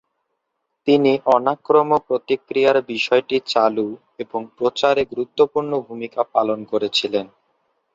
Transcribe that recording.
তিনি অনাক্রম্য প্রতিক্রিয়ার বিষয়টি চালু এবং প্রচারে গুরুত্বপূর্ণ ভূমিকা পালন করেছিলেন।